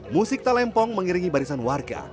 musik talempong mengiringi barisan warga